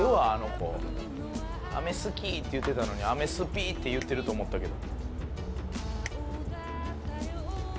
「アメ好き」って言ってたのに「アメスピ」って言ってると思ったけど。